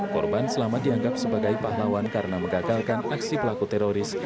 korban selamat dianggap sebagai pahlawan karena mengagalkan aksi pelaku teroris